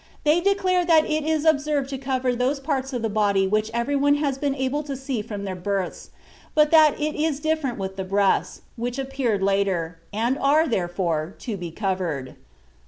They declare that it is absurd to cover those parts of the body which everyone has been able to see from their births, but that it is different with the breasts, which appeared later, and are, therefore, to be covered.